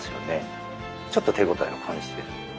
ちょっと手応えを感じてる。